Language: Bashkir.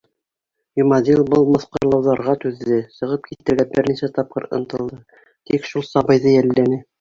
Йомаҙил был мыҫҡыллауҙарға түҙҙе, сығып китергә бер нисә тапҡыр ынтылды, тик шул сабыйҙы йәлләне.